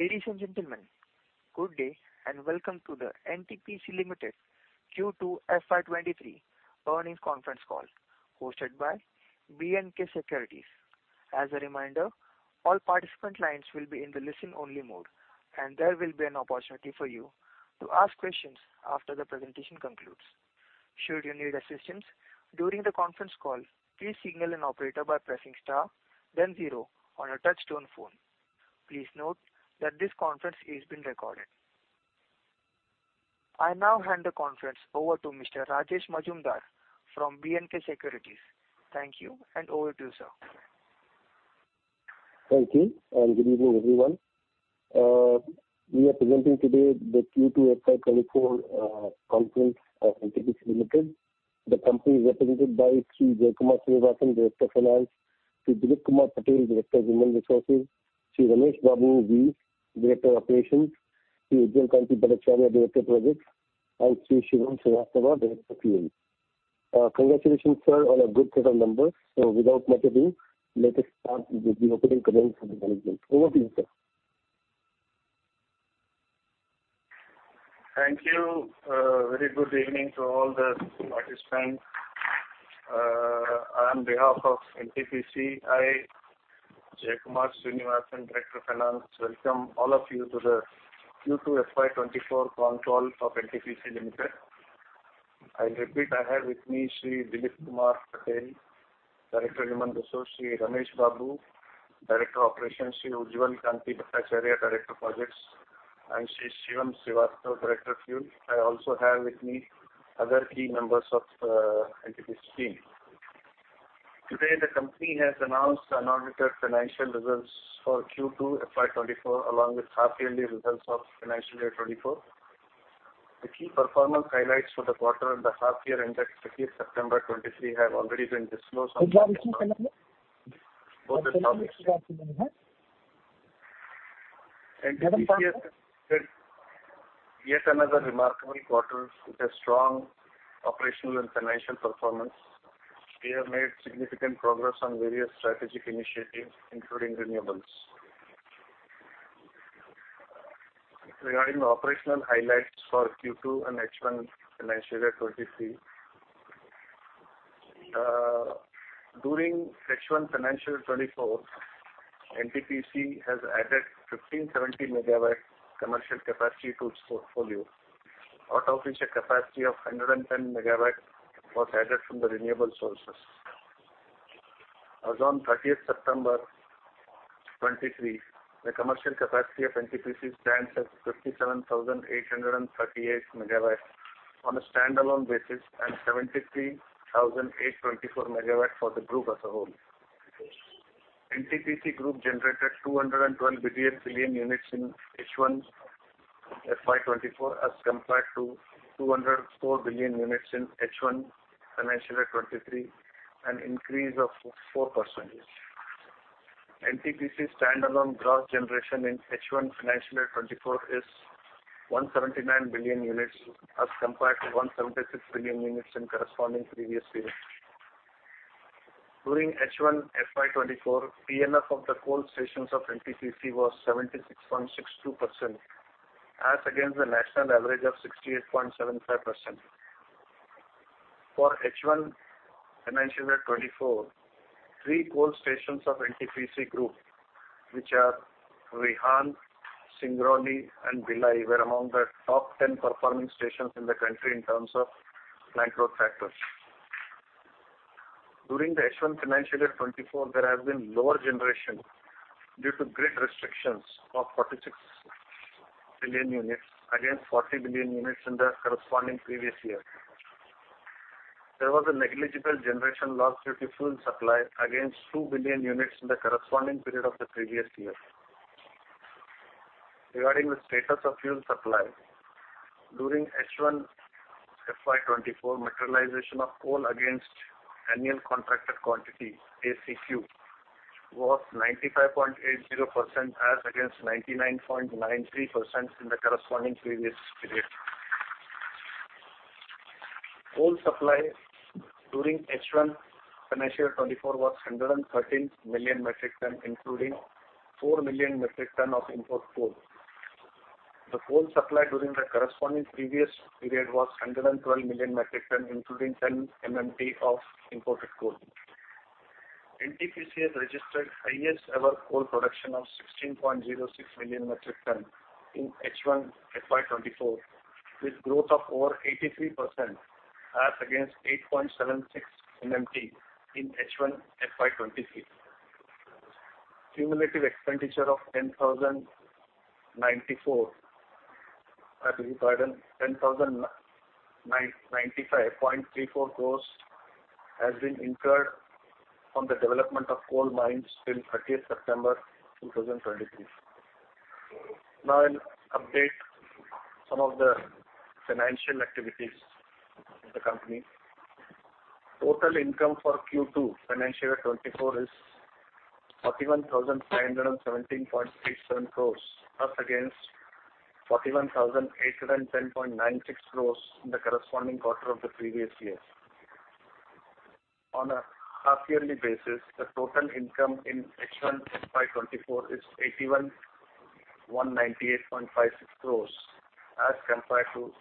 Ladies and gentlemen, good day, and welcome to the NTPC Limited Q2 FY23 earnings conference call, hosted by BNK Securities. As a reminder, all participant lines will be in the listen-only mode, and there will be an opportunity for you to ask questions after the presentation concludes. Should you need assistance during the conference call, please signal an operator by pressing star, then zero on your touch-tone phone. Please note that this conference is being recorded. I now hand the conference over to Mr. Rajesh Majumdar from BNK Securities. Thank you, and over to you, sir. Thank you, and good evening, everyone. We are presenting today the Q2 FY 2024 conference of NTPC Limited. The company is represented by Sri Jaikumar Srinivasan, Director of Finance, Sri Dillip Kumar Patel, Director of Human Resources, Sri Ramesh Babu V., Director of Operations, Sri Ujjwal Kanti Bhattacharya, Director Projects, and Sri Shivam Srivastava, Director Fuel. Congratulations, sir, on a good set of numbers. Without much ado, let us start with the opening comments from the management. Over to you, sir. Thank you. Very good evening to all the participants. On behalf of NTPC, I, Jaikumar Srinivasan, Director (Finance), welcome all of you to the Q2 FY 2024 conference call of NTPC Limited. I repeat, I have with me Sri Dillip Kumar Patel, Director (HR), Sri Ramesh Babu V., Director (Operations), Sri Ujjwal Kanti Bhattacharya, Director (Projects), and Sri Shivam Srivastava, Director (Fuel). I also have with me other key members of, uh, NTPC team. Today, the company has announced unaudited financial results for Q2 FY 2024, along with half-yearly results of financial year 2024. The key performance highlights for the quarter and the half year ended 30 September 2023 have already been disclosed on the- NTPC has recorded yet another remarkable quarter with a strong operational and financial performance. We have made significant progress on various strategic initiatives, including renewables. Regarding operational highlights for Q2 and H1 FY 2023, during H1 FY 2024, NTPC has added 1,570 MW commercial capacity to its portfolio, out of which a capacity of 110 MW was added from the renewable sources. As on 30 September 2023, the commercial capacity of NTPC stands at 57,838 MW on a standalone basis and 73,824 MW for the group as a whole. NTPC group generated 212 billion units in H1 FY 2024, as compared to 204 BU in H1 FY 2023, an increase of 4%. NTPC standalone gross generation in H1 FY 2024 is 179 BU, as compared to 176 BU in corresponding previous period. During H1 FY 2024, PLF of the coal stations of NTPC was 76.62%, as against the national average of 68.75%. For H1 financial year 2024, three coal stations of NTPC group, which are Rihand, Singrauli, and Bhilai, were among the top ten performing stations in the country in terms of plant load factors. During the H1 financial year 2024, there has been lower generation due to grid restrictions of 46 billion units, against 40 billion units in the corresponding previous year. There was a negligible generation lost due to fuel supply, against 2 billion units in the corresponding period of the previous year. Regarding the status of fuel supply, during H1 FY 2024, materialization of coal against annual contracted quantity, ACQ, was 95.80%, as against 99.93% in the corresponding previous period. Coal supply during H1 financial year 2024 was 113 million metric tons, including 4 million metric tons of import coal. The coal supply during the corresponding previous period was 112 million metric tons, including 10 MMT of imported coal. NTPC has registered highest ever coal production of 16.06 million metric tons in H1 FY 2024, with growth of over 83%, as against 8.76 MMT in H1 FY 2023. Cumulative expenditure of 10,095.34 crore has been incurred on the development of coal mines till 30 September 2023. Now, I'll update some of the financial activities of the company. Total income for Q2 financial year 2024 is 41,517.87 crore, as against 41,810.96 crore in the corresponding quarter of the previous year. On a half yearly basis, the total income in H1 FY 2024 is 81,198.56 crore, as compared to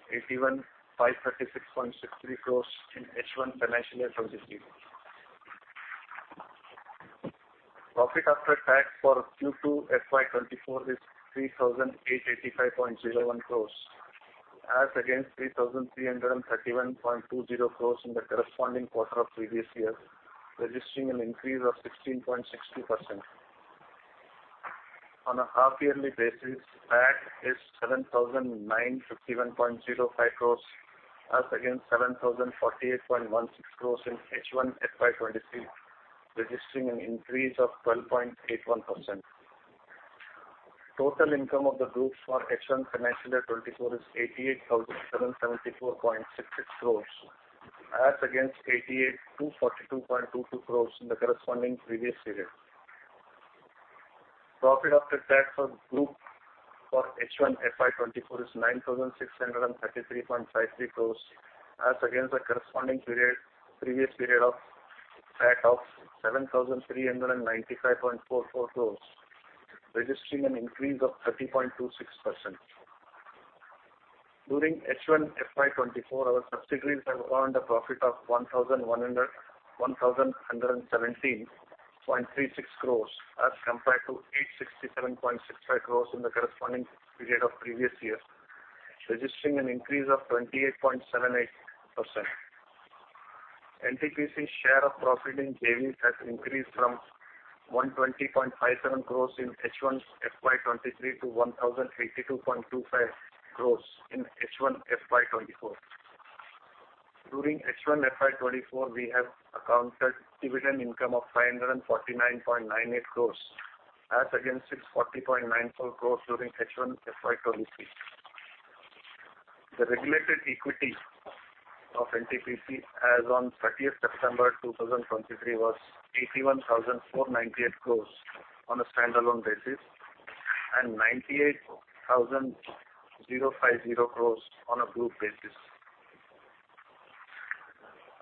81,536.63 crore in H1 financial year 2023. Profit after tax for Q2 FY 2024 is 3,885.01 crore, as against 3,331.20 crore in the corresponding quarter of previous year, registering an increase of 16.60%. On a half yearly basis, PAT is 7,951.05 crore, as against 7,048.16 crore in H1 FY 2023, registering an increase of 12.81%. Total income of the group for H1 FY 2024 is 88,774.66 crore, as against 88,242.22 crore in the corresponding previous period. Profit after tax for group for H1 FY 2024 is 9,633.53 crore, as against the corresponding period, previous period of PAT of 7,395.44 crore, registering an increase of 30.26%. During H1 FY 2024, our subsidiaries have earned a profit of 1,117.36 crore, as compared to 867.65 crore in the corresponding period of previous year, registering an increase of 28.78%. NTPC's share of profit in JV has increased from 120.57 crore in H1 FY 2023 to 1,082.25 crore in H1 FY 2024. During H1 FY 2024, we have accounted dividend income of 549.98 crore, as against 640.94 crore during H1 FY 2023. The regulated equity of NTPC as on 30th September 2023 was 81,498 crore on a standalone basis and 98,050 crore on a group basis.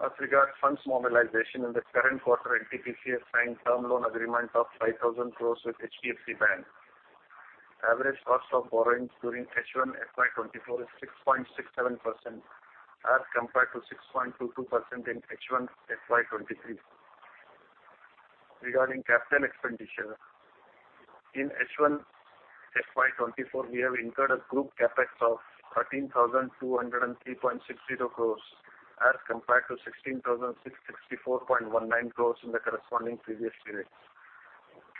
As regards funds mobilization, in the current quarter, NTPC has signed term loan agreement of 5,000 crore with HDFC Bank. Average cost of borrowings during H1 FY 2024 is 6.67%, as compared to 6.22% in H1 FY 2023. Regarding capital expenditure, in H1 FY 2024, we have incurred a group CapEx of 13,203.60 crore, as compared to 16,664.19 crore in the corresponding previous period.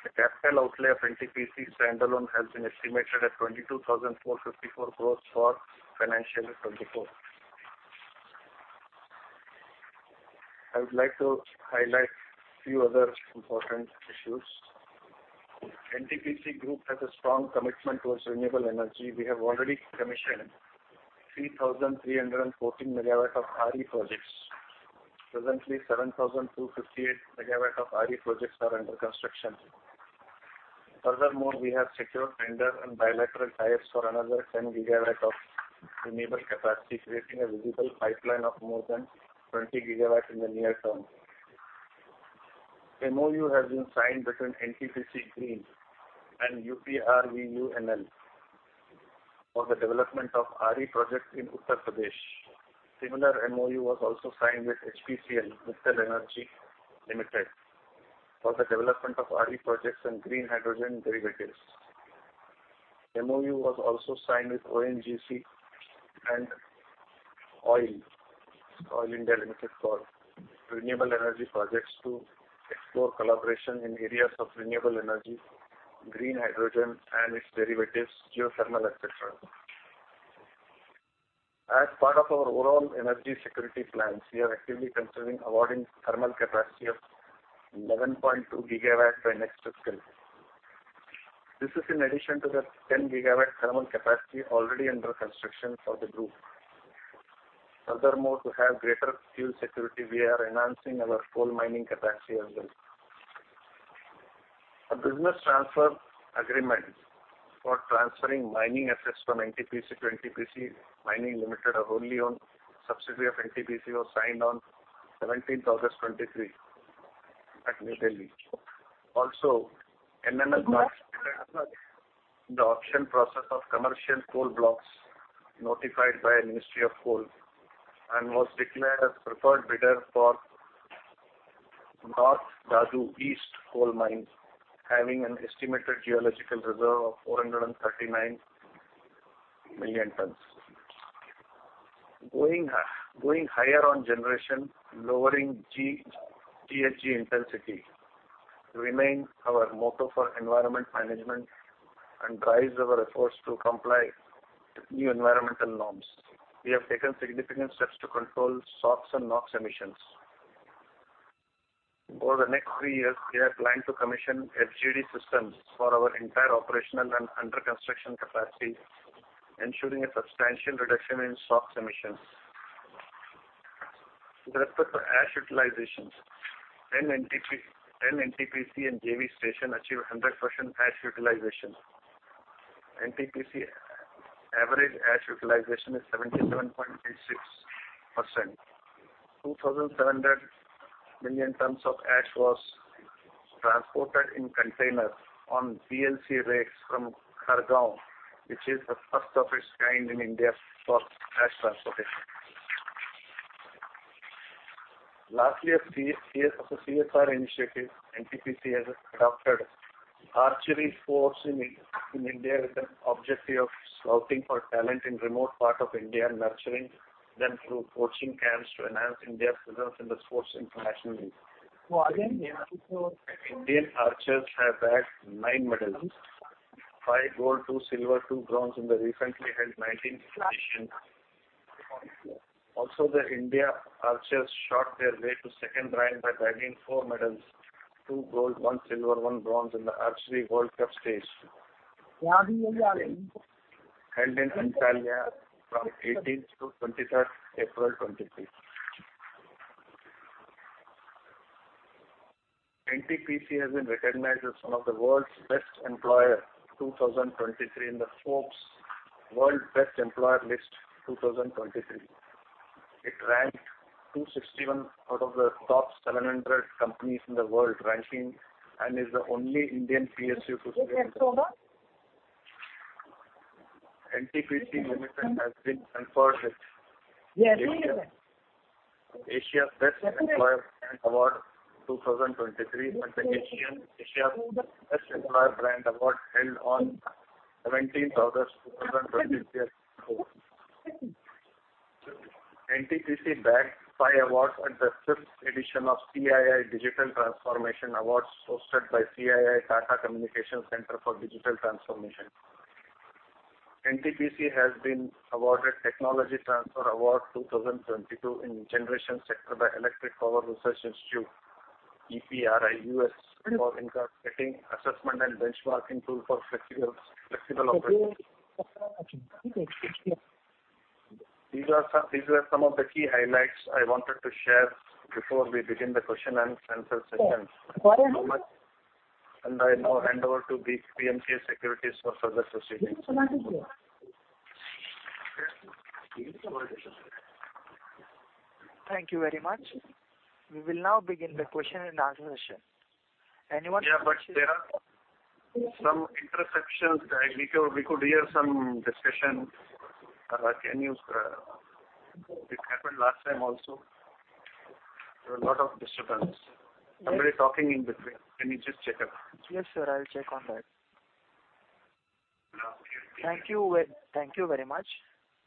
The capital outlay of NTPC standalone has been estimated at 22,454 crore for FY 2024. I would like to highlight a few other important issues. NTPC Group has a strong commitment towards renewable energy. We have already commissioned 3,314 MW of RE projects. Presently, 7,258 MW of RE projects are under construction. Furthermore, we have secured tender and bilateral ties for another 10 GW of renewable capacity, creating a visible pipeline of more than 20 GW in the near term. MoU has been signed between NTPC Green and UPRVUNL for the development of RE projects in Uttar Pradesh. Similar MoU was also signed with HPCL Mittal Energy Limited for the development of RE projects and green hydrogen derivatives. MoU was also signed with ONGC and OIL, Oil India Limited, for renewable energy projects to explore collaboration in areas of renewable energy, green hydrogen and its derivatives, geothermal, et cetera. As part of our overall energy security plans, we are actively considering awarding thermal capacity of 11.2 GW by next fiscal. This is in addition to the 10 GW thermal capacity already under construction for the group. Furthermore, to have greater fuel security, we are enhancing our coal mining capacity as well. A business transfer agreement for transferring mining assets from NTPC to NTPC Mining Limited, a wholly owned subsidiary of NTPC, was signed on seventeenth August 2023 at New Delhi. Also, NML part- The auction process of commercial coal blocks notified by Ministry of Coal, and was declared as preferred bidder for North Dhadu East coal mine, having an estimated geological reserve of 439 million tons. Going higher on generation, lowering GHG intensity remains our motto for environment management and drives our efforts to comply with new environmental norms. We have taken significant steps to control SOx and NOx emissions. Over the next three years, we are planning to commission FGD systems for our entire operational and under construction capacity, ensuring a substantial reduction in SOx emissions. With respect to ash utilizations, 10 NTPC and JV stations achieve 100% ash utilization. NTPC average ash utilization is 77.86%. 2,700 million tons of ash was transported in containers on DLC rakes from Khargone, which is the first of its kind in India for ash transportation. Lastly, as a CSR initiative, NTPC has adopted archery sports in India with the objective of scouting for talent in remote parts of India and nurturing them through coaching camps to enhance India's presence in the sports internationally. So again, yeah, so. Indian archers have bagged 9 medals, 5 gold, 2 silver, 2 bronze in the recently held 19 competitions. Also, the Indian archers shot their way to second round by bagging 4 medals, 2 gold, 1 silver, 1 bronze in the Archery World Cup stage. Yeah, we are. Held in Antalya from 18th to 23rd, April 2023. NTPC has been recognized as one of the world's best employer, 2023 in the Forbes World Best Employer List, 2023. It ranked 261 out of the top 700 companies in the world ranking, and is the only Indian PSU to be- In October. NTPC Limited has been conferred with- Yeah. Asia's Best Employer Brand Award 2023 at the Asia Best Employer Brand Award, held on 17th August 2023. NTPC bagged 5 awards at the fifth edition of CII Digital Transformation Awards, hosted by CII Tata Communication Center for Digital Transformation. NTPC has been awarded Technology Transfer Award 2022 in generation sector by Electric Power Research Institute, EPRI, US, for incorporating assessment and benchmarking tool for flexible, flexible operations. These are some, these were some of the key highlights I wanted to share before we begin the question and answer session. Yeah. I now hand over to BNK Securities for further proceedings. Thank you very much. We will now begin the question and answer session. Anyone- Yeah, but there are some interruptions. We could, we could hear some discussion. Can you... It happened last time also. There were a lot of disturbances. Somebody talking in between. Can you just check it? Yes, sir, I'll check on that. Now, you- Thank you. Thank you very much.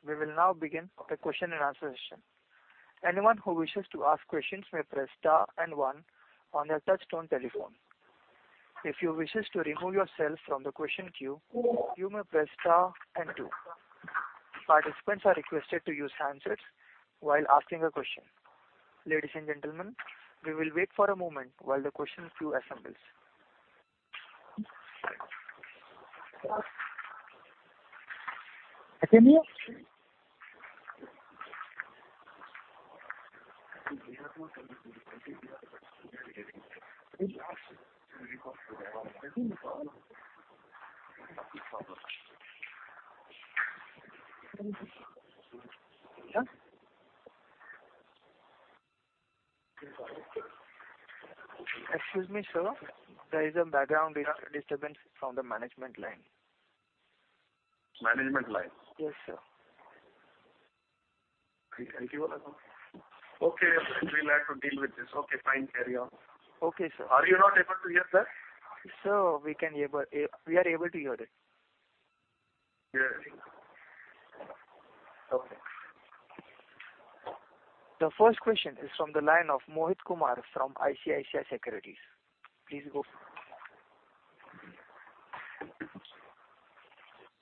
We will now begin the question and answer session. Anyone who wishes to ask questions may press star and one on your touchtone telephone. If you wish to remove yourself from the question queue, you may press star and two. Participants are requested to use handsets while asking a question. Ladies and gentlemen, we will wait for a moment while the question queue assembles. Excuse me, sir. There is a background disturbance from the management line. Management line? Yes, sir. Okay. We will have to deal with this. Okay, fine. Carry on. Okay, sir. Are you not able to hear, sir? Sir, we can hear, but we are able to hear it. Yeah. Okay. The first question is from the line of Mohit Kumar, from ICICI Securities. Please go.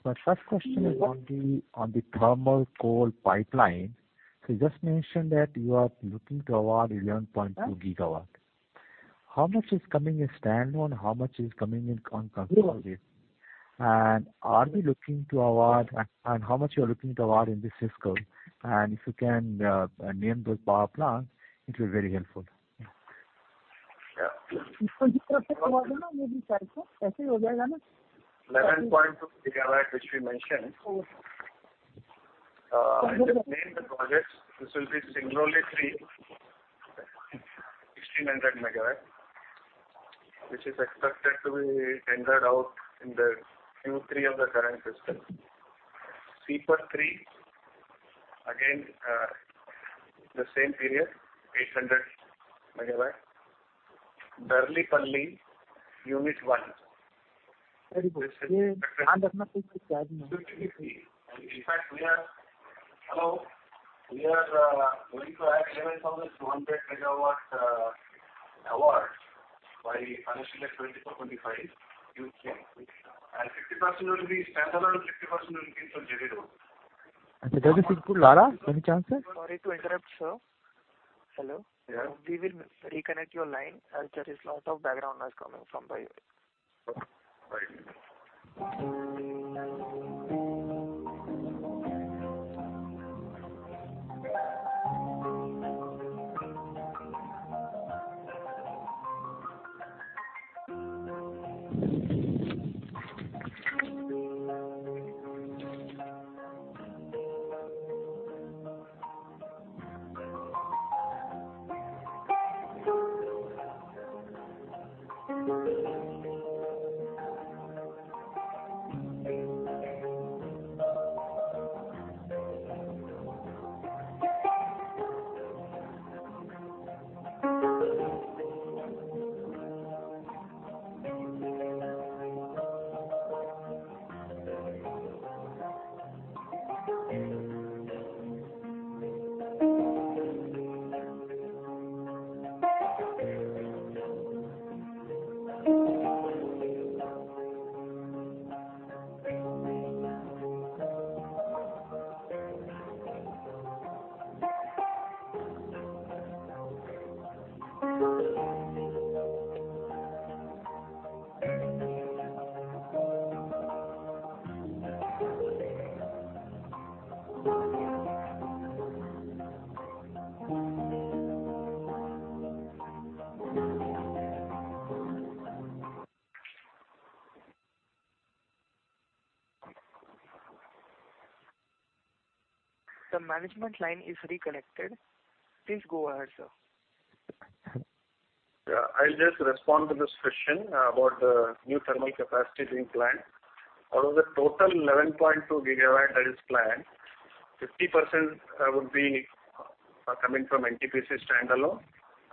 My first question is on the thermal coal pipeline. So you just mentioned that you are looking to award 11.2 GW. How much is coming in stand-alone? How much is coming in on contract basis? And are we looking to award, and how much you are looking to award in this fiscal? And if you can name those power plants, it will be very helpful. Yeah. 11.2 GW, which we mentioned. I just named the projects, this will be Singrauli 3, 1,600 MW, which is expected to be tendered out in the Q3 of the current fiscal. Sipat 3, again, the same period, 800 MW. Darlipalli, unit one. Very good. In fact, we are... Hello? We are going to add 11,200 MW award by financial year 2024-25. And 50% will be standalone, and 50% will be through JV route. Does it include Lara, any chances? Sorry to interrupt, sir. Hello. Yeah. We will reconnect your line as there is a lot of background noise coming from the line. Okay, fine. ...The management line is reconnected. Please go ahead, sir. Yeah, I'll just respond to this question about the new thermal capacity being planned. Out of the total 11.2 GW that is planned, 50% would be coming from NTPC standalone,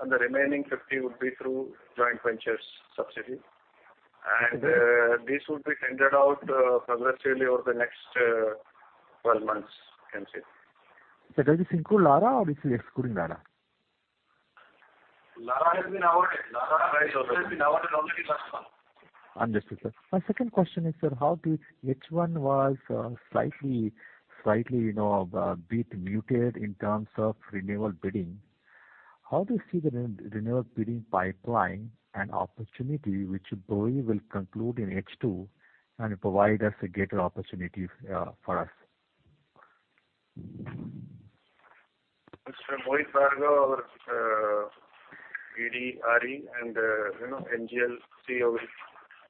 and the remaining 50% would be through joint ventures subsidy. This would be tendered out progressively over the next 12 months, you can say. Sir, does this include Lara or this is excluding Lara? Lara has been awarded. Lara has been awarded already first one. Understood, sir. My second question is, sir, H1 was slightly, slightly, you know, bit muted in terms of renewable bidding. How do you see the renewable bidding pipeline and opportunity, which probably will conclude in H2 and provide us a greater opportunity for us? Mr. Mohit Bhargava, our VDRE and, you know, NGEL, will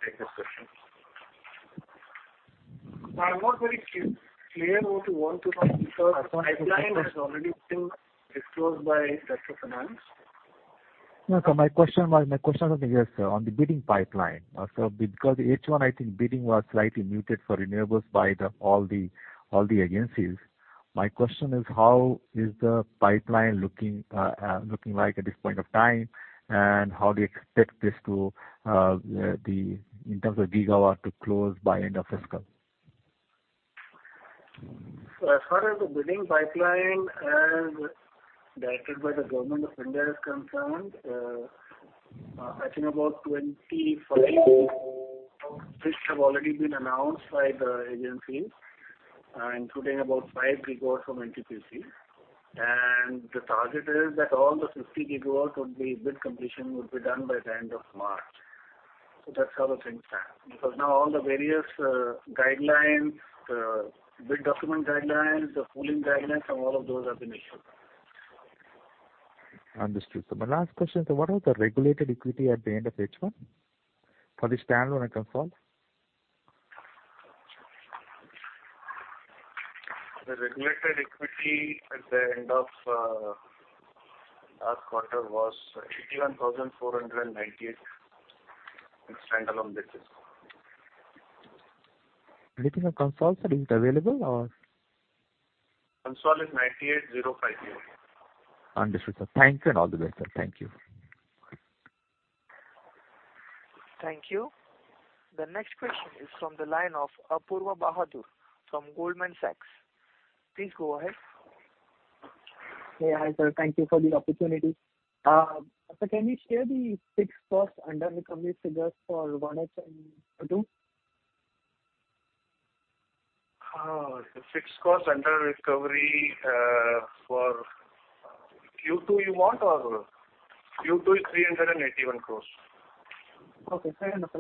take this question. I'm not very clear what you want to know, because pipeline has already been exposed by Director (Finance). No, sir, my question was, yes, sir, on the bidding pipeline. So because H1, I think bidding was slightly muted for renewables by all the agencies. My question is: How is the pipeline looking like at this point of time? And how do you expect this to the in terms of gigawatt, to close by end of fiscal? So as far as the bidding pipeline, as directed by the Government of India is concerned, I think about 25 which have already been announced by the agencies, including about 5 GW from NTPC. And the target is that all the 50 GW would be, bid completion would be done by the end of March. So that's how the things stand. Because now all the various, guidelines, the bid document guidelines, the pooling guidelines, and all of those have been issued. Understood. So my last question, so what is the regulated equity at the end of H1 for the standalone and consolidated? The regulated equity at the end of last quarter was 81,498, in standalone basis. Anything on consult, sir? Is it available or... Consult is 98 050. Understood, sir. Thank you and all the best, sir. Thank you. Thank you. The next question is from the line of Apoorva Bahadur from Goldman Sachs. Please go ahead. Hey, hi, sir. Thank you for the opportunity. So can you share the fixed costs under recovery figures for 1H and 2H? The fixed costs under recovery, for Q2 you want or? Q2 is 381 crore. Okay, fair enough,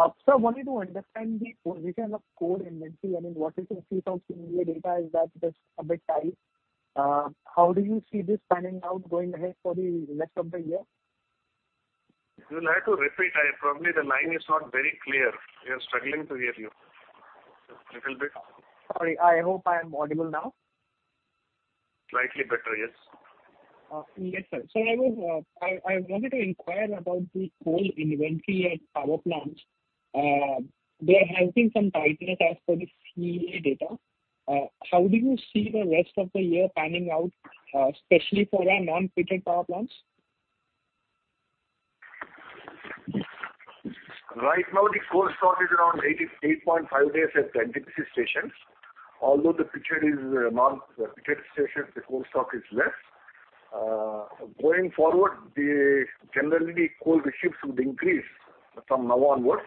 sir. I think that's confirmed. Sir, I wanted to understand the position of core inventory. I mean, what is the free from data? Is that just a bit tight? How do you see this panning out going ahead for the rest of the year? You'll have to repeat. I, probably the line is not very clear. We are struggling to hear you a little bit. Sorry, I hope I am audible now. Slightly better, yes. Yes, sir. So I wanted to inquire about the coal inventory at power plants. They are having some tightness as per the CEA data. How do you see the rest of the year panning out, especially for our non-pithead power plants? Right now, the coal stock is around 88.5 days at the NTPC stations, although the pithead is none, the pithead stations, the coal stock is less. Going forward, generally, coal receipts would increase from now onwards.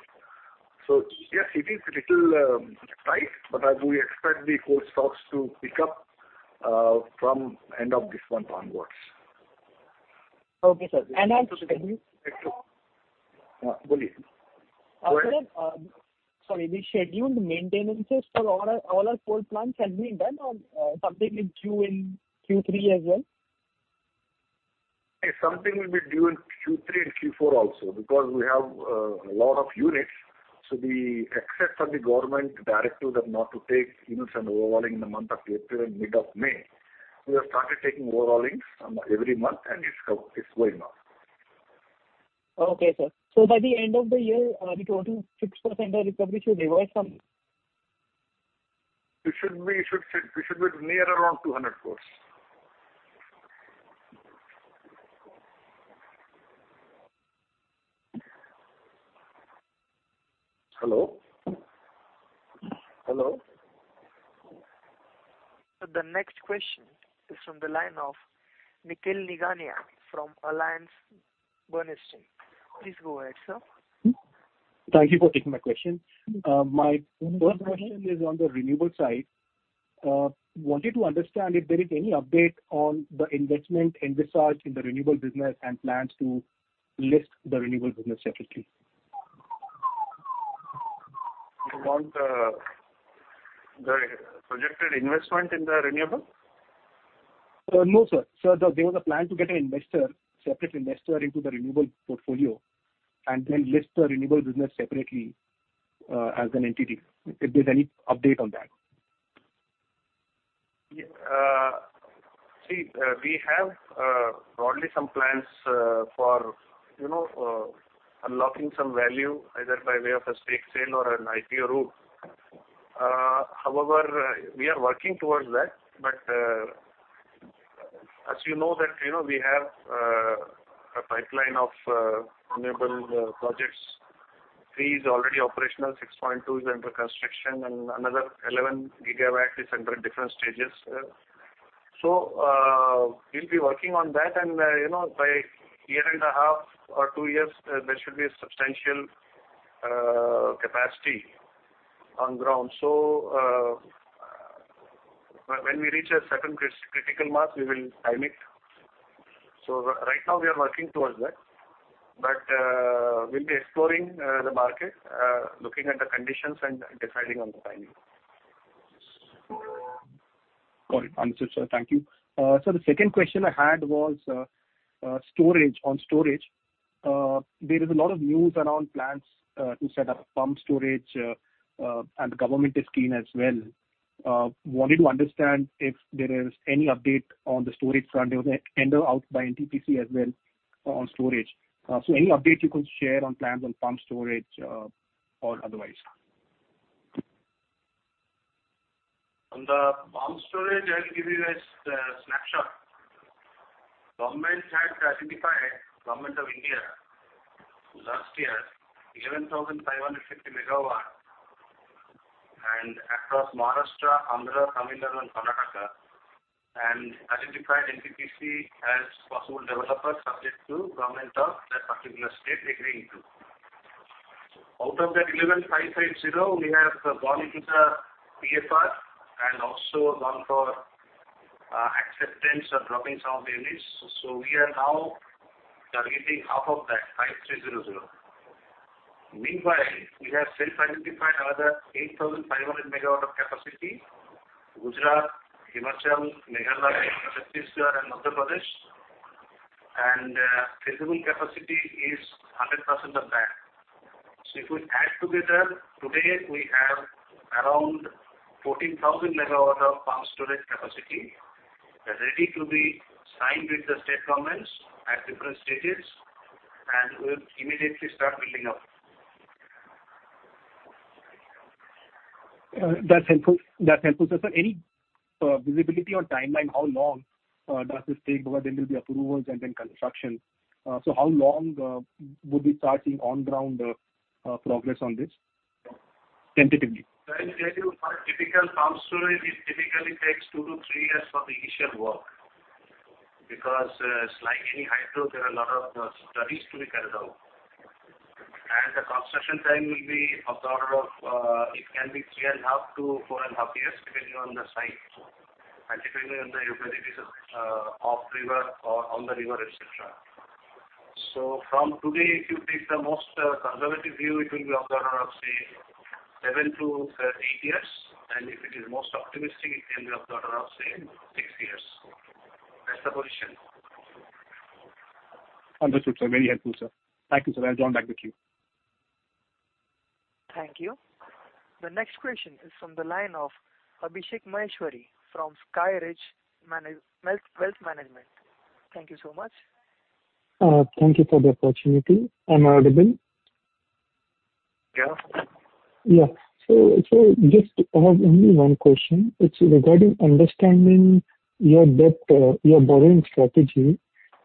So yes, it is a little tight, but as we expect the coal stocks to pick up from end of this month onwards. Okay, sir. And as-... Go ahead. Sorry, the scheduled maintenances for all our, all our coal plants have been done on, something in Q in Q3 as well? Something will be due in Q3 and Q4 also, because we have a lot of units. So we accept from the government directive that not to take units and overhauling in the month of April and mid of May. We have started taking overhauls every month, and it's going on. Okay, sir. So by the end of the year, the total 6% of recovery should be avoid from? It should be. We should be near around 200 crore. Hello? Hello. The next question is from the line of Nikhil Nigania from Alliance Bernstein. Please go ahead, sir. Thank you for taking my question. My first question is on the renewable side. Wanted to understand if there is any update on the investment envisaged in the renewable business and plans to list the renewable business separately. You want the projected investment in the renewable? No, sir. Sir, there was a plan to get an investor, separate investor into the renewable portfolio and then list the renewable business separately, as an entity. If there's any update on that? Yeah, see, we have broadly some plans for you know unlocking some value, either by way of a stake sale or an IPO route. However, we are working towards that, but as you know that you know we have a pipeline of renewable projects. 3 is already operational, 6.2 is under construction, and another 11 gigawatt is under different stages. So we'll be working on that and you know by a year and a half or 2 years, there should be a substantial capacity on ground. So when we reach a certain critical mass, we will time it. So right now we are working towards that, but we'll be exploring the market looking at the conditions and deciding on the timing. Got it. Understood, sir. Thank you. So the second question I had was, storage. On storage, there is a lot of news around plans to set up pump storage, and the government is keen as well. Wanted to understand if there is any update on the storage front, there was a tender out by NTPC as well on storage. So any update you could share on plans on pump storage, or otherwise? On the pump storage, I'll give you a snapshot. Government had identified, Government of India, last year, 11,550 MW, and across Maharashtra, Andhra Pradesh, Tamil Nadu, and Karnataka, and identified NTPC as possible developer, subject to government of that particular state agreeing to. Out of that 11,550, we have gone into the PFR and also gone for acceptance of dropping some of the units. We are now targeting half of that, 5,300. Meanwhile, we have self-identified another 8,500 MW of capacity, Gujarat, Himachal Pradesh, Meghalaya, Chhattisgarh, and Madhya Pradesh, and feasible capacity is 100% of that. If we add together, today we have around 14,000 MW of pump storage capacity, ready to be signed with the state governments at different stages, and we'll immediately start building up. That's helpful, that's helpful, sir. So any visibility or timeline, how long does this take? Because there will be approvals and then construction. So how long would we start seeing on ground progress on this? Tentatively. I tell you, for a typical pumped storage, it typically takes 2-3 years for the initial work, because it's like any hydro, there are a lot of studies to be carried out. And the construction time will be of the order of it can be 3.5-4.5 years, depending on the site, and depending on the utilities, off river or on the river, et cetera. So from today, if you take the most conservative view, it will be of the order of, say, 7-8 years, and if it is most optimistic, it will be of the order of, say, 6 years. That's the position. Understood, sir. Very helpful, sir. Thank you, sir. I'll join back with you. Thank you. The next question is from the line of Abhishek Maheshwari from SkyRidge Wealth Management. Thank you so much. Thank you for the opportunity. Am I audible? Yeah. Yeah. I have only one question. It's regarding understanding your debt, your borrowing strategy.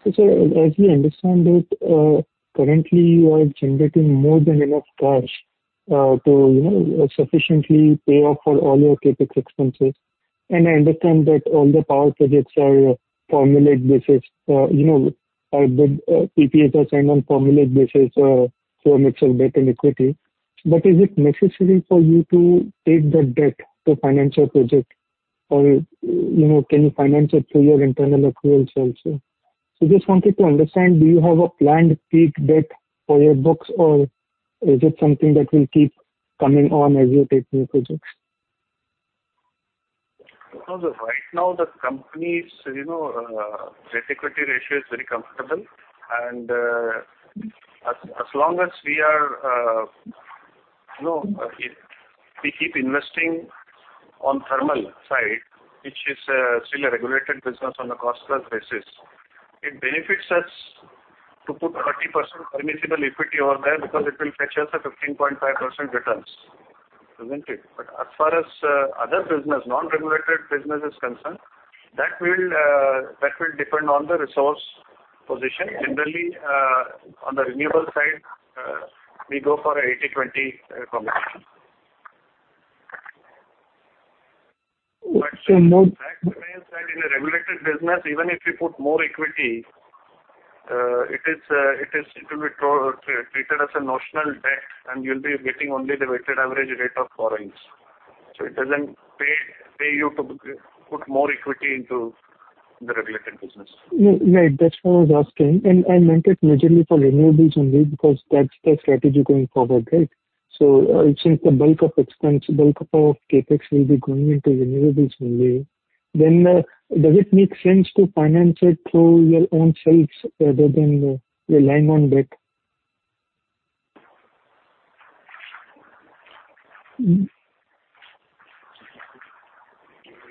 Sir, as we understand it, currently, you are generating more than enough cash to, you know, sufficiently pay off for all your CapEx expenses. I understand that all the power projects are formulate basis, you know, the PPAs are signed on formulate basis for a mix of debt and equity. Is it necessary for you to take the debt to finance your project?... or, you know, can you finance it through your internal accruals also? Just wanted to understand, do you have a planned peak debt for your books, or is it something that will keep coming on as you take new projects? No, right now, the company's, you know, debt equity ratio is very comfortable. And, as, as long as we are, you know, if we keep investing on thermal side, which is, still a regulated business on a cost plus basis, it benefits us to put 30% permissible equity over there because it will fetch us a 15.5% returns, isn't it? But as far as, other business, non-regulated business is concerned, that will, that will depend on the resource position. Generally, on the renewable side, we go for a 80/20 combination. So more- That remains that in a regulated business, even if you put more equity, it will be treated as a notional debt, and you'll be getting only the weighted average rate of foreign. So it doesn't pay you to put more equity into the regulated business. Yeah, yeah, that's what I was asking. And I meant it majorly for renewables only, because that's the strategy going forward, right? So I think the bulk of expense, bulk of CapEx will be going into renewables only. Then, does it make sense to finance it through your own selves rather than relying on debt?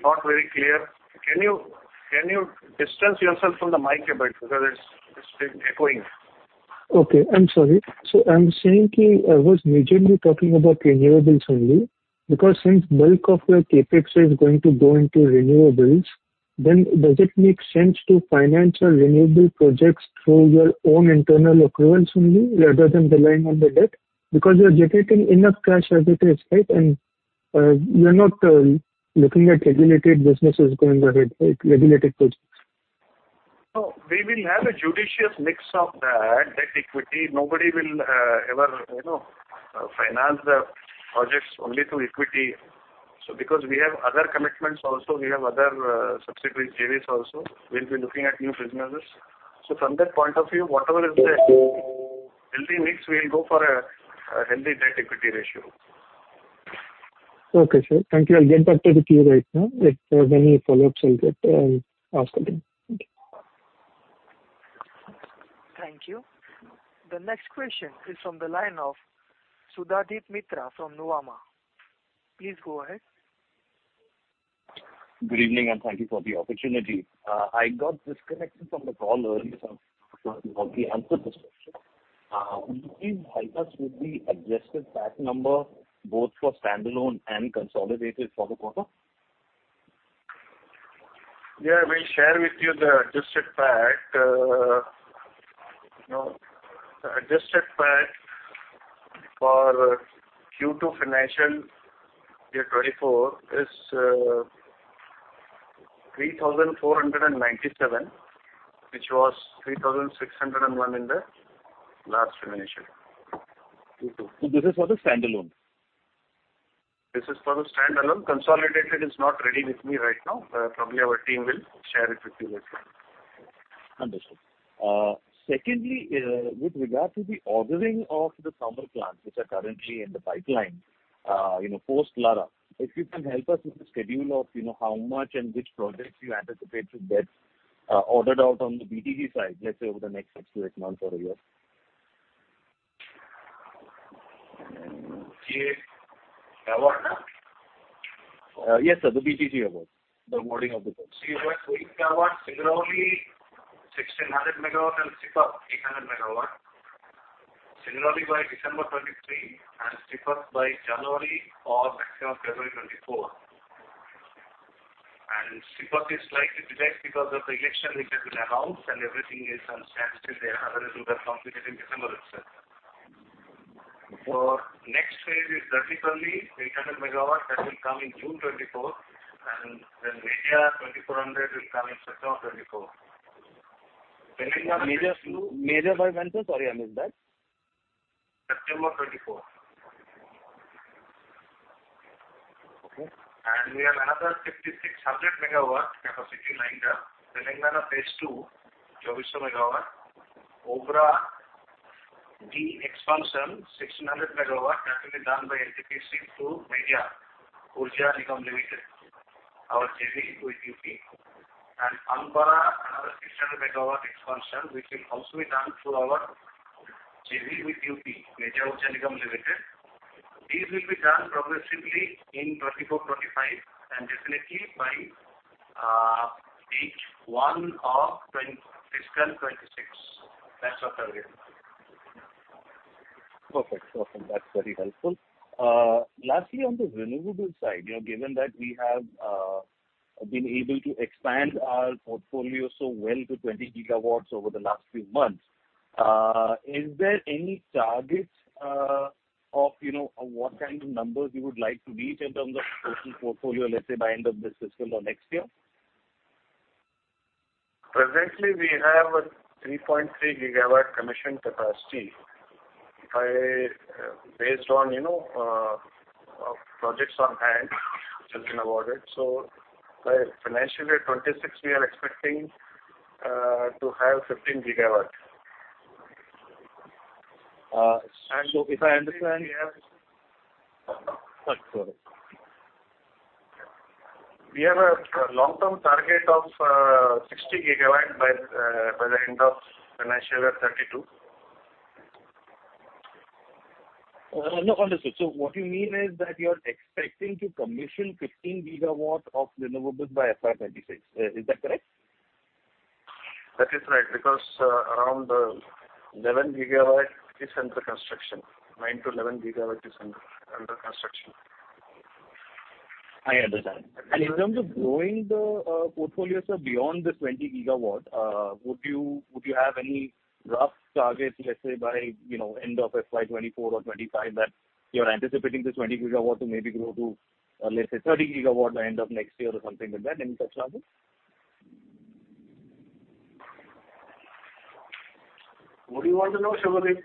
Not very clear. Can you, can you distance yourself from the mic a bit? Because it's, it's echoing. Okay, I'm sorry. So I'm saying I was majorly talking about renewables only, because since bulk of your CapEx is going to go into renewables, then does it make sense to finance your renewable projects through your own internal accruals only, rather than relying on the debt? Because you are generating enough cash as it is, right? And, you're not looking at regulated businesses going ahead, right, regulated projects. No, we will have a judicious mix of the debt equity. Nobody will ever, you know, finance the projects only through equity. So because we have other commitments also, we have other subsidiary JVs also. We'll be looking at new businesses. So from that point of view, whatever is the healthy mix, we will go for a healthy debt equity ratio. Okay, sir. Thank you. I'll get back to the queue right now. If there are any follow-ups, I'll get, ask again. Thank you. Thank you. The next question is from the line of Subhadip Mitra from Nuvama. Please go ahead. Good evening, and thank you for the opportunity. I got disconnected from the call earlier, so answer this question. Do you think HYDAS would be adjusted that number, both for standalone and consolidated for the quarter? Yeah, we'll share with you the adjusted PAT. You know, the adjusted PAT for Q2 financial year 2024 is 3,497 crore, which was 3,601 crore in the last financial. This is for the standalone? This is for the standalone. Consolidated is not ready with me right now. Probably our team will share it with you later. Understood. Secondly, with regard to the ordering of the thermal plants, which are currently in the pipeline, you know, post Lara, if you can help us with the schedule of, you know, how much and which projects you anticipate to get ordered out on the BTT side, let's say, over the next 6-8 months or a year? The award, huh? Yes, sir, the BTT award, the awarding of the awards. See, we have award similarly, 1,600 megawatt and Sipat, 800 megawatt. Similarly, by December 2023, and Sipat by January or maximum February 2024. Sipat is slightly delayed because of the election, which has been announced, and everything is on standstill there. Otherwise, it was completed in December itself. Next phase is vertically, 800 megawatt, that will come in June 2024, and then Media 2,400 will come in September of 2024. Major by when, sir? Sorry, I missed that. September twenty-four. Okay. We have another 5,600 MW capacity lined up. Telangana phase two, 24 MW. Obra, the expansion, 1,600 MW, that will be done by NTPC through Meja Urja Nigam Limited, our JV with UP. And Obra, another 600 MW expansion, which will also be done through our JV with UP, Meja Urja Nigam Limited. These will be done progressively in 2024, 2025, and definitely by H1 of fiscal 2026. That's what are there. Perfect. Perfect. That's very helpful. Lastly, on the renewable side, you know, given that we have been able to expand our portfolio so well to 20 GW over the last few months, is there any targets of, you know, what kind of numbers you would like to reach in terms of total portfolio, let's say, by end of this fiscal or next year?... presently, we have a 3.3 gigawatt commissioned capacity by, based on, you know, projects on hand, which has been awarded. By financial year 2026, we are expecting to have 15 gigawatts. So if I understand- We have- Sorry, go ahead. We have a long-term target of 60 GW by the end of financial year 32. No, understood. So what you mean is that you are expecting to commission 15 gigawatt of renewable by FY 2026. Is that correct? That is right, because around 11 GW is under construction. 9-11 GW is under construction. I understand. And in terms of growing the portfolio, sir, beyond the 20 GW, would you, would you have any rough target, let's say, by, you know, end of FY 2024 or 2025, that you're anticipating the 20 GW to maybe grow to, let's say, 30 GW by end of next year or something like that, any such target? What do you want to know, Subhadip?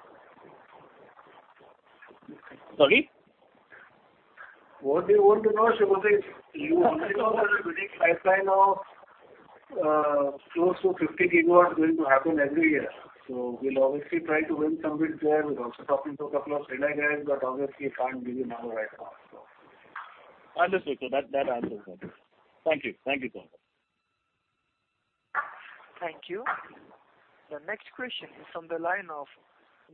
Sorry? What do you want to know, Subhadip? You only know that winning pipeline of close to 50 GW going to happen every year. So we'll obviously try to win some bids there. We're also talking to a couple of CII guys, but obviously, I can't give you number right now, so. Understood, sir. That, that answers that. Thank you. Thank you, sir. Thank you. The next question is from the line of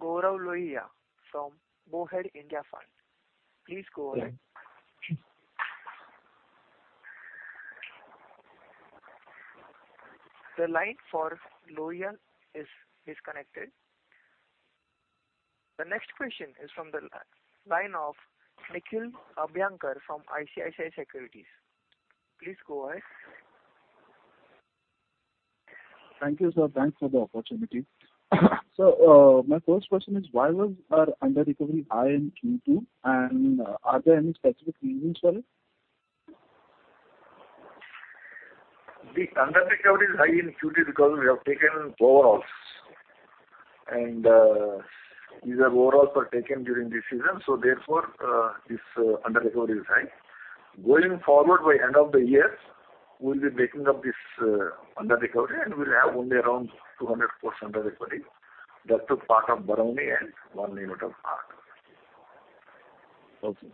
Gaurav Loiya from Motilal Oswal India Fund. Please go ahead. The line for Loiya is disconnected. The next question is from the line of Nikhil Abhyankar from ICICI Securities. Please go ahead. Thank you, sir. Thanks for the opportunity. So, my first question is, why was our underrecovery high in Q2, and are there any specific reasons for it? The underrecovery is high in Q2 because we have taken overhauls. These overhauls were taken during this season, so therefore, this underrecovery is high. Going forward, by end of the year, we'll be making up this underrecovery, and we'll have only around 200 crore underrecovery. That's the part of borrowing and one unit of margin. Okay.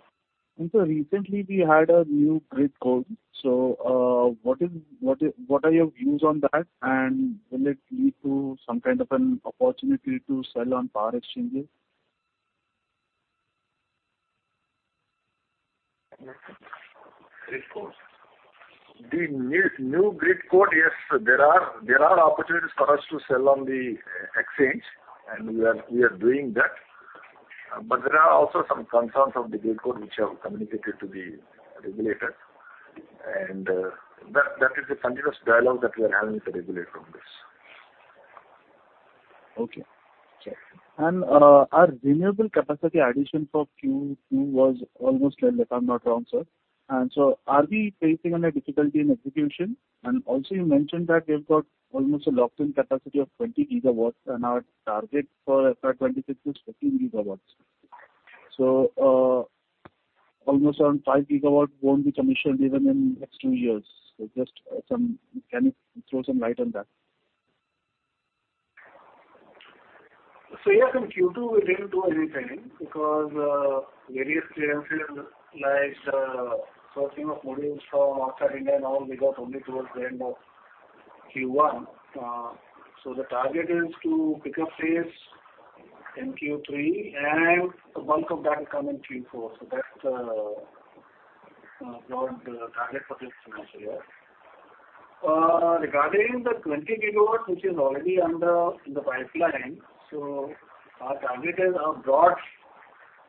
And so recently, we had a new grid code. So, what is... What are your views on that? And will it lead to some kind of an opportunity to sell on power exchanges? Grid code? The new grid code, yes, there are opportunities for us to sell on the exchange, and we are doing that. But there are also some concerns of the grid code which have communicated to the regulator. And that is a continuous dialogue that we are having with the regulator on this. Okay. Our renewable capacity addition for Q2 was almost less, if I'm not wrong, sir. So are we facing any difficulty in execution? Also, you mentioned that you've got almost a locked-in capacity of 20 GW, and our target for FY 2026 is 15 GW. So, almost around 5 GW won't be commissioned even in next two years. Can you throw some light on that? So yes, in Q2, we didn't do anything because various clearances, like, sourcing of modules from outside India and all, we got only towards the end of Q1. So the target is to pick up pace in Q3, and the bulk of that will come in Q4. So that's broad target for this financial year. Regarding the 20 GW, which is already on the, in the pipeline, so our target is, our broad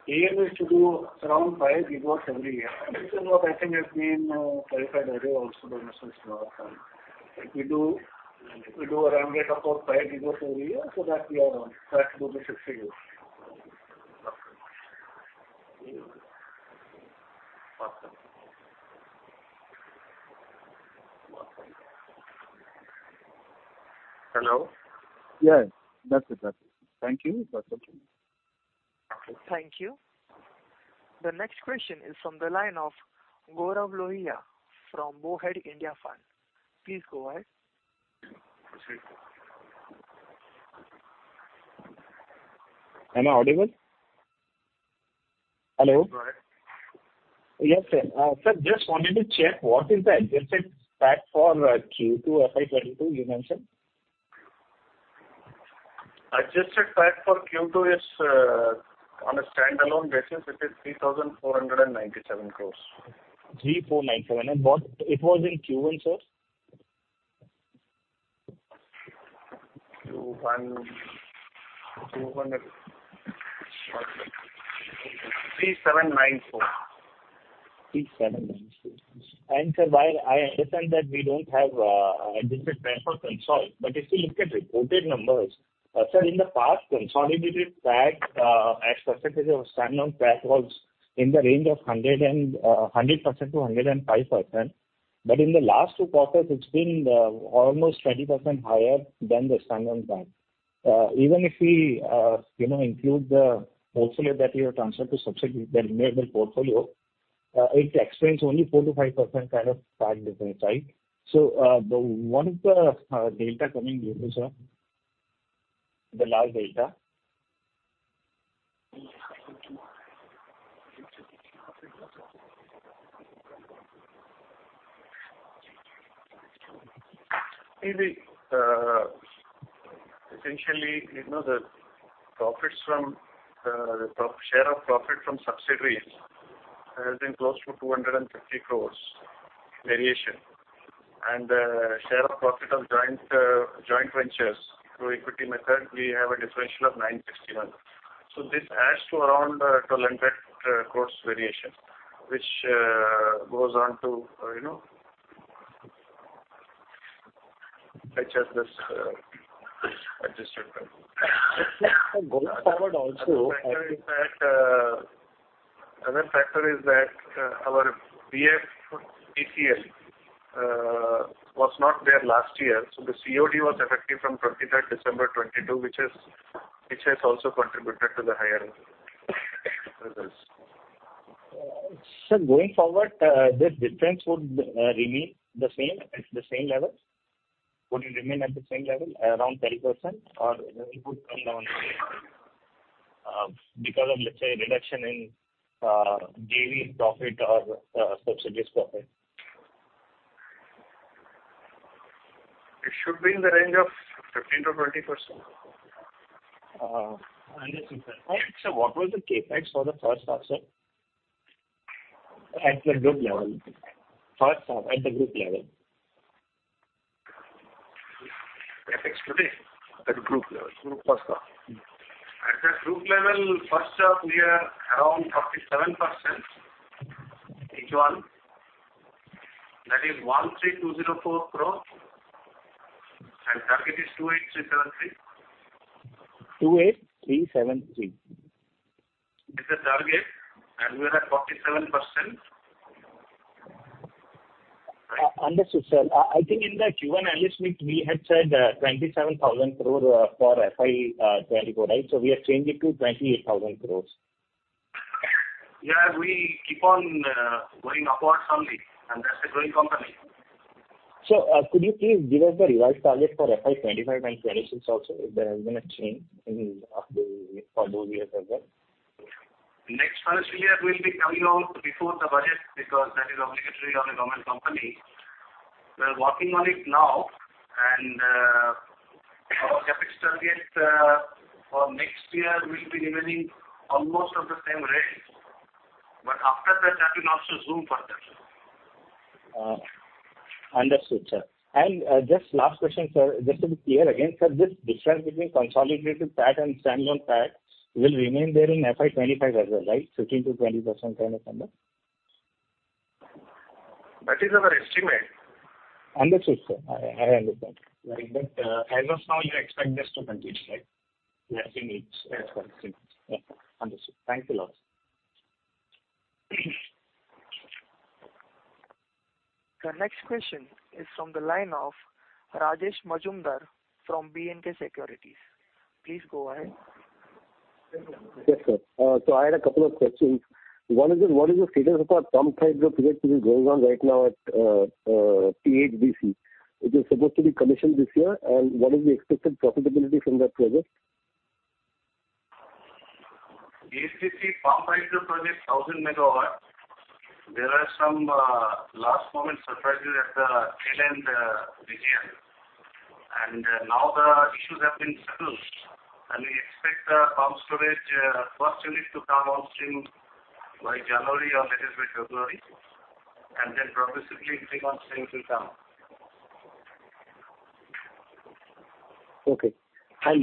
aim is to do around 5 GW every year. This is what I think has been clarified earlier also by Mr. Shiva. We do, we do a run rate of about 5 GW every year, so that we are on track to do this for you. Hello? Yes, that's it. That's it. Thank you. That's okay. Thank you. The next question is from the line of Gaurav Lohiya from Long Only India Fund. Please go ahead. Am I audible? Hello. Go ahead. Yes, sir. Sir, just wanted to check, what is the adjusted track for Q2 FY22 you mentioned? Adjusted track for Q2 is, on a standalone basis, it is 3,497 crore. 3,497. And what—it was in Q1, sir? Q1, 200... 3,794. 3, 7, 9, 4. Sir, while I understand that we don't have a digital track for console, but if you look at reported numbers, sir, in the past, consolidated track as percentage of standalone track was in the range of 100% to 105%. But in the last two quarters, it's been almost 20% higher than the standalone bank. Even if we you know include the portfolio that we have transferred to subsidiary, the renewable portfolio, it explains only 4%-5% kind of target difference, right? So, once the data coming in, sir, the large data. Maybe, essentially, you know, the profits from, the, the top share of profit from subsidiaries has been close to 250 crore variation, and the share of profit of joint, joint ventures through equity method, we have a differential of 961 crore. So this adds to around 1,200 crore variation, which goes on to, you know, which has this adjusted. Going forward also- Another factor is that our BIFPCL was not there last year, so the COD was effective from twenty-third December 2022, which has also contributed to the higher results. Sir, going forward, this difference would remain the same, at the same level? Would it remain at the same level, around 10%, or it would come down, because of, let's say, reduction in, JV profit or, subsidiary's profit? It should be in the range of 15%-20%. Understood, sir. And sir, what was the CapEx for the first half, sir, at the group level? First half at the group level. CapEx today? At group level. Group first half. At the group level, first half, we are around 47% H1. That is 13,204 crore, and target is 28,373. 28,373. It's the target, and we are at 47%. Understood, sir. I think in the Q1 analyst meet, we had said, 27,000 crore for FY 2024, right? So we have changed it to 28,000 crore. Yeah, we keep on going upwards only, and that's a growing company. Could you please give us the revised target for FY 2025 and 2026 also, if there has been a change in, after for those years as well? Next financial year, we'll be coming out before the budget because that is obligatory of a government company. We are working on it now, and our CapEx target for next year will be remaining almost of the same range, but after that, that will also zoom further. Understood, sir. And, just last question, sir. Just to be clear again, sir, this difference between consolidated PAT and standalone PAT will remain there in FY 25 as well, right? 15%-20% kind of number. That is our estimate. Understood, sir. I understand. But, as of now, you expect this to continue, right? Yes, we need. Yes, understood. Thank you a lot. The next question is from the line of Rajesh Majumdar from BNK Securities. Please go ahead. Yes, sir. So I had a couple of questions. One is, what is the status of our pump hydro project that is going on right now at THDC? It is supposed to be commissioned this year, and what is the expected profitability from that project? THDC pump hydro project, 1,000 MW. There are some last-moment surprises at the tail end this year. Now the issues have been settled, and we expect the pump storage first unit to come on stream by January or latest by February, and then progressively 3 on stream will come. Okay.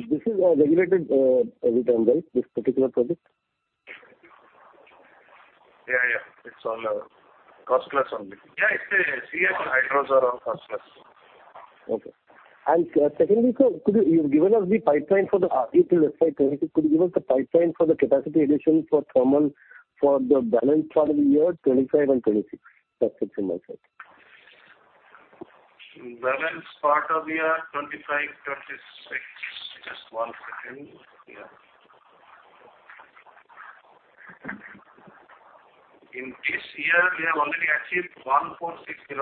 This is a regulated unit, right, this particular project? Yeah, yeah. It's all, cost plus only. Yeah, it's a CS hydros or on cost plus. Okay. And secondly, sir, could you... You've given us the pipeline for up to FY 2022. Could you give us the pipeline for the capacity addition for thermal for the balance part of the year, 2025 and 2026? That's it for my side. Balance part of the year, 2025-2026. Just one second, yeah. In this year, we have already achieved 1,460,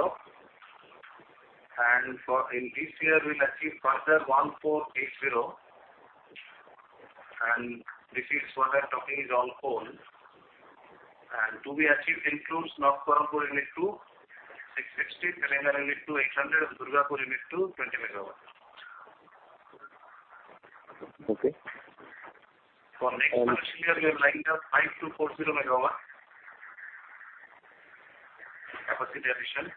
and for in this year, we'll achieve further 1,480, and this is further talking is on hold. And to be achieved includes North Kharagpur unit two, 660, Pelaiyarr unit two, 800, Durgapur unit two, 20 MW. Okay. For next year, we have lined up 5,240 MW capacity addition,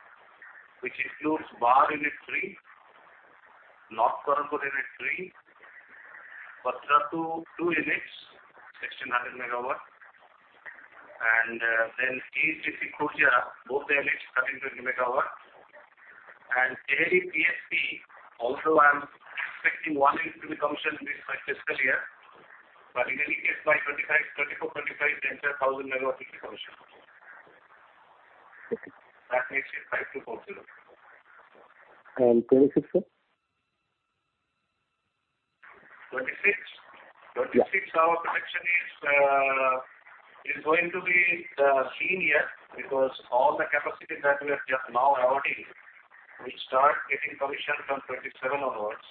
which includes Barh unit three, North Karanpura unit three, Patratu two, two units, 1,600 MW, and, then KGP Khurja, both the units, 1,320 MW. And in PSP, also I am expecting one unit to be commissioned in this financial year. But in any case, by 2024-25, 10,000 MW will be commissioned. Okay. That makes it 5 to 40. 26, sir? Twenty-six? Yeah. 2026, our projection is, is going to be, seen here, because all the capacity that we are just now awarding, we start getting commission from 2027 onwards.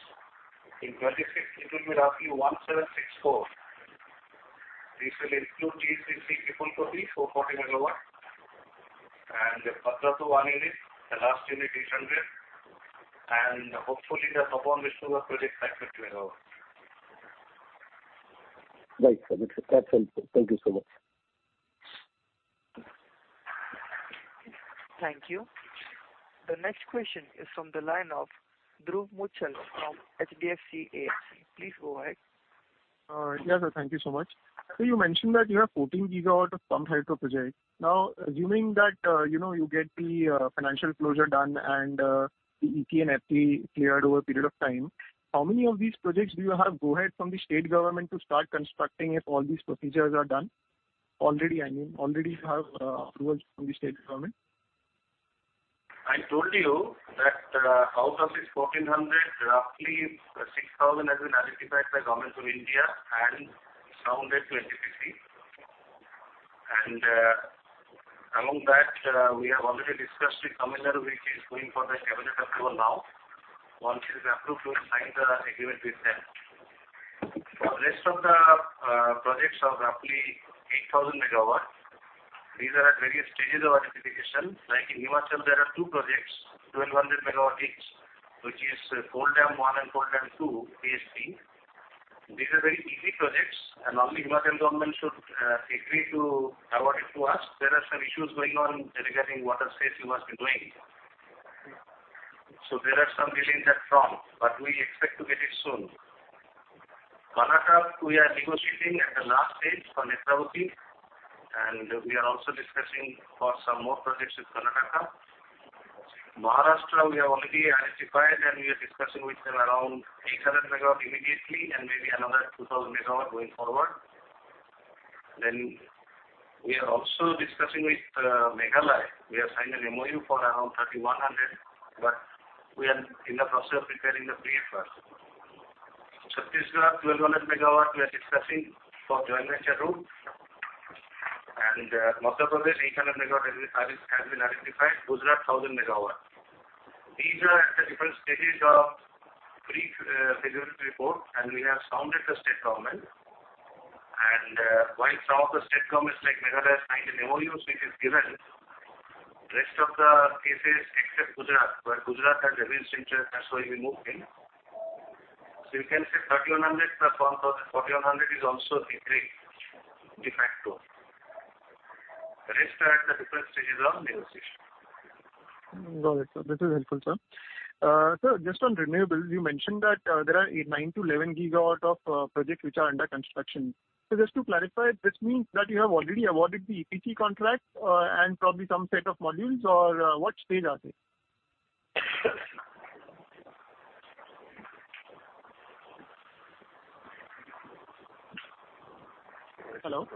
In 2026, it will be roughly 1,764. This will include GCC, 440 MW, and the Patratu one unit, the last unit is 100, and hopefully the Sapuan Vishnu project, 50 MW. Right, sir. That's helpful. Thank you so much. Thank you. The next question is from the line of Dhruv Muchhal from HDFC AMC. Please go ahead. Yeah, sir. Thank you so much. So you mentioned that you have 14 gigawatt of pumped hydro project. Now, assuming that, you know, you get the financial closure done and the EP and FP cleared over a period of time, how many of these projects do you have go ahead from the state government to start constructing if all these procedures are done? Already, I mean, already you have approval from the state government. I told you that, out of this 1,400, roughly 6,000 has been identified by Government of India and allotted to NTPC. Among that, we have already discussed with Tamil Nadu, which is going for the cabinet approval now. Once it is approved, we will sign the agreement with them. The rest of the projects are roughly 8,000 MW. These are at various stages of identification. Like in Himachal Pradesh, there are two projects, 1,200 MW, which is Koldam One and Koldam Two, PSP. These are very easy projects, and only Himachal Pradesh government should agree to award it to us. There are some issues going on regarding water sharing we must be resolving. So there are some delays at present, but we expect to get it soon. Karnataka, we are negotiating at the last stage for Netravati, and we are also discussing for some more projects with Karnataka. Maharashtra, we have already identified, and we are discussing with them around 800 MW immediately and maybe another 2,000 MW going forward. Then we are also discussing with Meghalaya. We have signed a MoU for around 3,100, but we are in the process of preparing the PF first. Chhattisgarh, 1,200 MW, we are discussing for Jayantharoo. And Madhya Pradesh, 800 MW has been identified. Gujarat, 1,000 MW. These are at the different stages of pre-feasibility report, and we have sounded the state government. And while some of the state governments like Meghalaya signed a MoU, so it is given, rest of the cases, except Gujarat, where Gujarat has revealed since that's why we moved in. You can say 3,100 plus 1,000, 4,100 is also decree de facto. The rest are at the different stages of negotiation. Got it. So this is helpful, sir. Sir, just on renewables, you mentioned that there are 8-9 to 11 gigawatts of projects which are under construction. So just to clarify, this means that you have already awarded the EPC contract, and probably some set of modules, or what stage are they? Hello?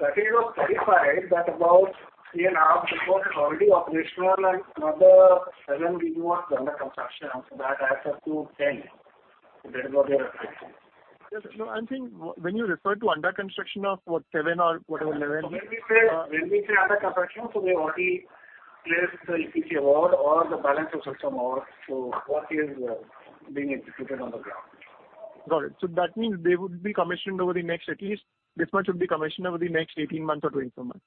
Satish was clarified that about 3.5 gigawatt is already operational and another 7 gigawatt is under construction. After that, adds up to 10. That is what he was referring to. Yes. No, I'm saying when you refer to under construction of what, seven or whatever, level- When we say, when we say under construction, so we already placed the EPC award or the balance of system award. So work is being executed on the ground. Got it. So that means they would be commissioned over the next at least... This much would be commissioned over the next 18 months or 24 months?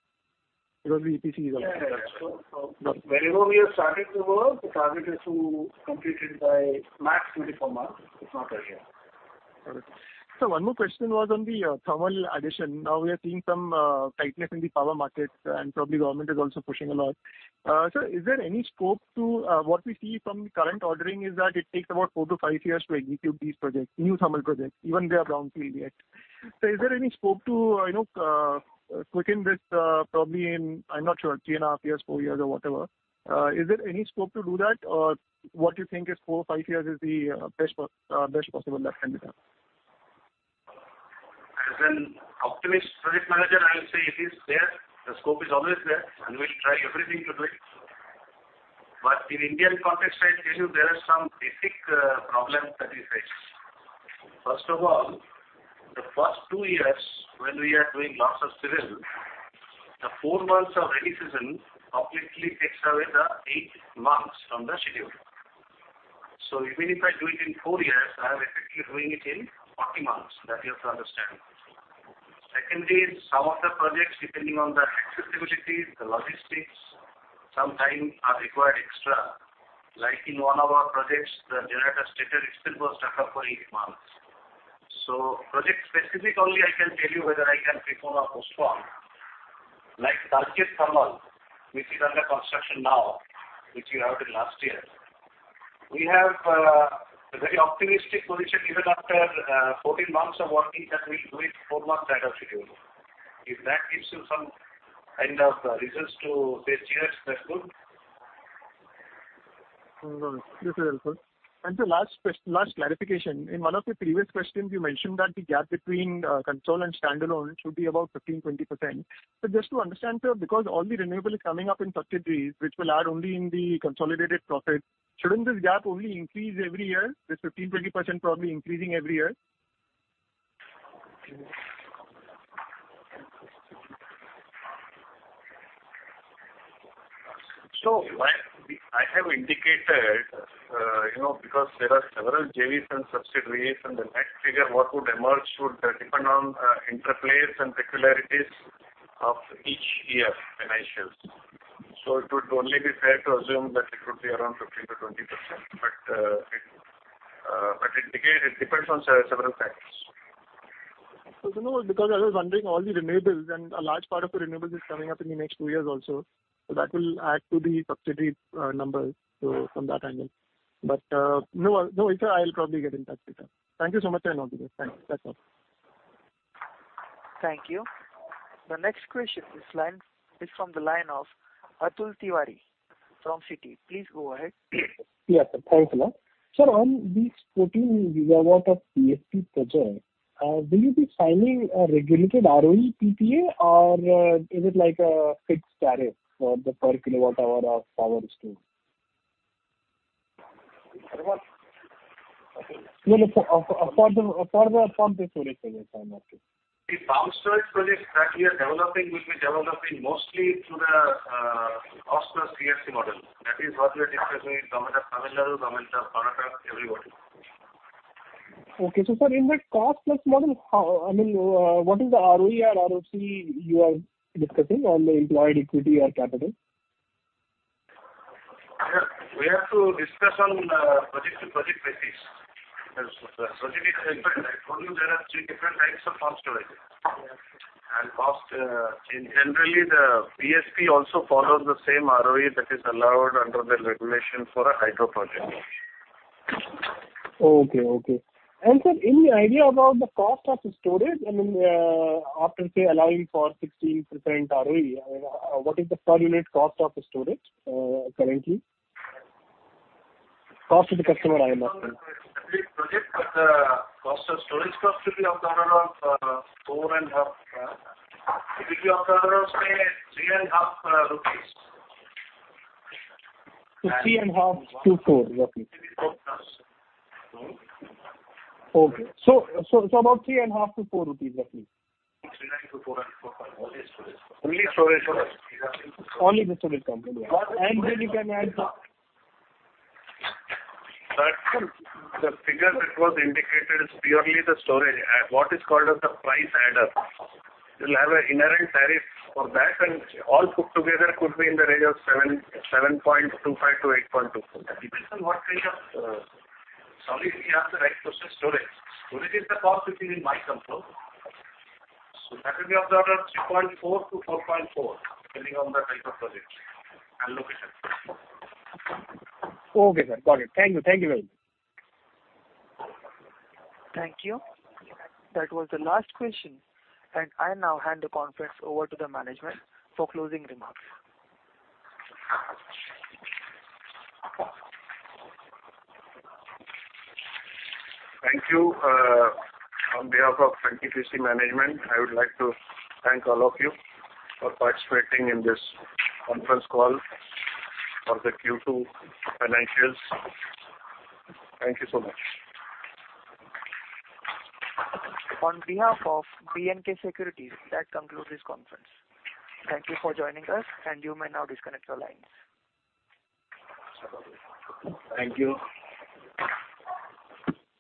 Because the EPC is- Yeah, yeah. So, so wherever we have started the work, the target is to complete it by max 24 months, if not a year. Got it. Sir, one more question was on the thermal addition. Now, we are seeing some tightness in the power markets, and probably government is also pushing a lot. Sir, is there any scope to... What we see from the current ordering is that it takes about 4-5 years to execute these projects, new thermal projects, even they are ground clean yet. So is there any scope to, you know, quicken this, probably in, I'm not sure, 3.5 years, 4 years, or whatever? Is there any scope to do that, or what you think is 4-5 years is the best possible that can be done? As an optimist project manager, I will say it is there. The scope is always there, and we'll try everything to do it. But in Indian context, I tell you, there are some basic, problems that we face. First of all, the first 2 years, when we are doing lots of civil, the 4 months of rainy season obviously takes away the 8 months from the schedule. So even if I do it in 4 years, I am effectively doing it in 40 months. That you have to understand. Secondly, some of the projects, depending on the accessibility, the logistics, some time are required extra. Like in one of our projects, the generator stator still was stuck up for 8 months. So project specific only I can tell you whether I can perform or postpone....like Darlipalli thermal, which is under construction now, which we awarded last year. We have a very optimistic position, even after 14 months of working, that we'll do it 4 months ahead of schedule. If that gives you some kind of results to say, cheers, that's good. This is helpful. The last question-last clarification, in one of your previous questions, you mentioned that the gap between consolidated and standalone should be about 15%-20%. But just to understand, sir, because all the renewable is coming up in subsidiaries, which will add only in the consolidated profit, shouldn't this gap only increase every year, this 15%-20% probably increasing every year? So what we, I have indicated, you know, because there are several JVs and subsidiaries, and the next figure, what would emerge should depend on, interplays and peculiarities of each year financials. So it would only be fair to assume that it would be around 15%-20%, but, it, but it again, it depends on several factors. So, you know, because I was wondering, all the renewables and a large part of the renewables is coming up in the next two years also. So that will add to the subsidiary numbers, so from that angle. But, no, no, sir, I'll probably get in touch with you. Thank you so much for your time. Thank you. That's all. Thank you. The next question, this line, is from the line of Atul Tiwari from Citi. Please go ahead. Yeah. Thanks, hello. Sir, on this 14 GW of PSP project, will you be signing a regulated ROE PPA, or, is it like a fixed tariff for the per kWh of power storage? What? No, no, sir. For the, for the pumped storage project. The pumped storage projects that we are developing, will be developing mostly through the cost plus CSC model. That is what we are discussing with Government of Tamil Nadu, Government of Karnataka, everybody. Okay, so sir, in that cost plus model, how... I mean, what is the ROE or ROC you are discussing on the employed equity or capital? We have to discuss on project to project basis. As the project is different, I told you there are three different types of pumped storage. Cost, in general, the PSP also follows the same ROE that is allowed under the regulation for a hydro project. Okay, okay. Sir, any idea about the cost of the storage? I mean, after, say, allowing for 16% ROE, what is the per unit cost of the storage, currently? Cost to the customer, I imagine. Project, but cost of storage cost will be of the order of 4.5, it will be of the order of, say, 3.5 rupees. 3.5-4. Four plus. Okay. So, about 3.5-4 rupees roughly. 3.5-4 and 4 point, only storage. Only storage for us. Only the storage company. And then you can add- But the figure that was indicated is purely the storage, at what is called as the price adder. You'll have an inherent tariff for that, and all put together could be in the range of 7, 7.25-8.2. It depends on what range of, sorry, you asked the right question, storage. Storage is the cost which is in my control. So that will be of the order of 3.4-4.4, depending on the type of project and location. Okay, sir. Got it. Thank you. Thank you very much. Thank you. That was the last question, and I now hand the conference over to the management for closing remarks. Thank you, on behalf of NTPC management, I would like to thank all of you for participating in this conference call for the Q2 financials. Thank you so much. On behalf of BNK Securities, that concludes this conference. Thank you for joining us, and you may now disconnect your lines. Thank you.